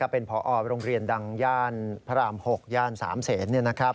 เป็นพอโรงเรียนดังย่านพระราม๖ย่าน๓เสน